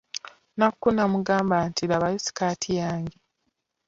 Nakku n'amugamba nti, labayo sikaati yange.